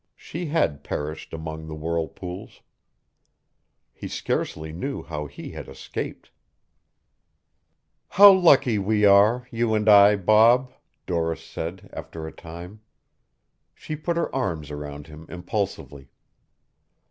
She had perished among the whirlpools. He scarcely knew how he had escaped. "How lucky we are, you and I, Bob," Doris said after a time. She put her arms around him impulsively.